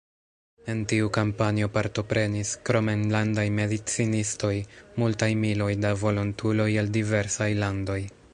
En tiu kampanjo partoprenis, krom enlandaj medicinistoj, multaj miloj da volontuloj el diversaj landoj.